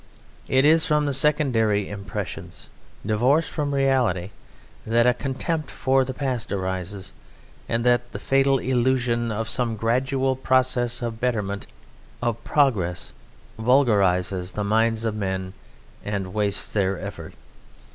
It is from secondary impressions divorced from reality that a contempt for the past arises, and that the fatal illusion of some gradual process of betterment of "progress" vulgarizes the minds of men and wastes their effort.